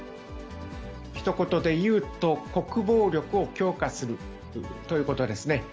ひと言でいうと、国防力を強化するということですね。